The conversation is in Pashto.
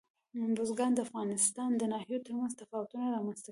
بزګان د افغانستان د ناحیو ترمنځ تفاوتونه رامنځته کوي.